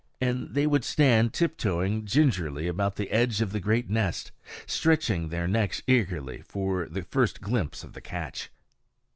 And they would stand tiptoeing gingerly about the edge of the great nest, stretching their necks eagerly for a first glimpse of the catch.